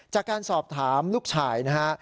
จากการสอบถามลูกชายนะฮะ